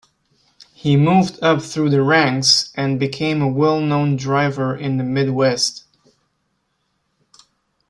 He moved up through the ranks, and became a well-known driver in the Midwest.